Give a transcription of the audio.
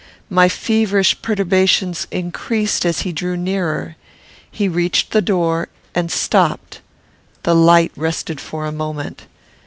My feverish perturbations increased as he drew nearer. He reached the door, and stopped. The light rested for a moment.